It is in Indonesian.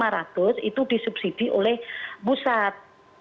rp enam belas lima ratus itu disubsidi oleh pusat